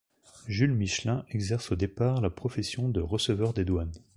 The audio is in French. Jules Michelin exerce au départ la profession de receveur des Douanes.